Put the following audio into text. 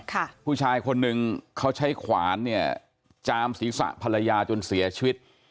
ผู้ชายคนหนึ่งเขาใช้ขวานเนี่ยจามศีรษะภรรยาจนเสียชีวิต